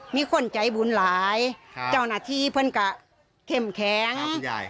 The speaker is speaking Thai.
มีคนใจบุญหลายครับเจ้าหน้าที่เพื่อนกับเข้มแข็งครับคุณยาย